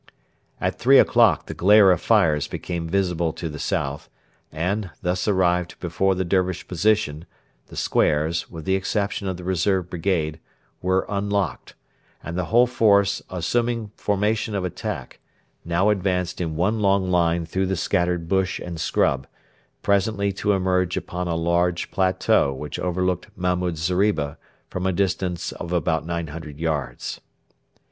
At three o'clock the glare of fires became visible to the south, and, thus arrived before the Dervish position, the squares, with the exception of the reserve brigade, were unlocked, and the whole force, assuming formation of attack, now advanced in one long line through the scattered bush and scrub, presently to emerge upon a large plateau which overlooked Mahmud's zeriba from a distance of about 900 yards.